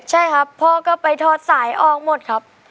ใช่ครับพ่อก็ไปทอดสายออกหมดครับ